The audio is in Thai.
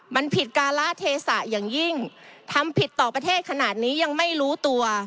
มันผิดการละเทศะอย่างยิ่งทำผิดต่อประเทศขนาดนี้ยังไม่รู้ตัว